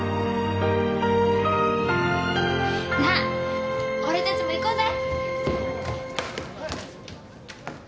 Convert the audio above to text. なあ俺たちも行こうぜ。